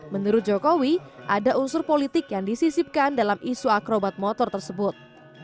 menurut jokowi ada unsur politik yang disisipkan dalam isu akrobat motor tersebut